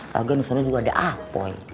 lagian di sana juga ada apoi